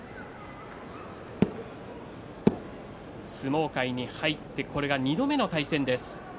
相撲界に入ってこれが２度目の対戦です。